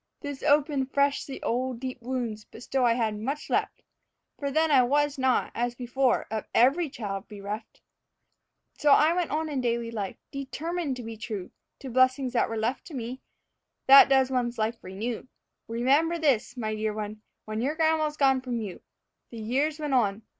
This opened fresh the old deep wounds; but still I had much left, For then I was not, as before, of every child bereft. So on I went in daily life, determined to be true To blessings that were left to me. That does one's life renew, Remember this, my dear one, when your grandma's gone from you. The years went on.